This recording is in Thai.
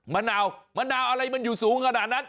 มะนาวมะนาวอะไรมันอยู่สูงขนาดนั้น